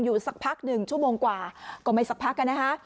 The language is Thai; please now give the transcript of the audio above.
อยู่สักพัก๑ชั่วโมงกว่าก็ไม่สักพักค่ะนะคะ